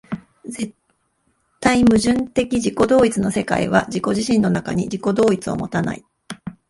絶対矛盾的自己同一の世界は自己自身の中に自己同一を有たない。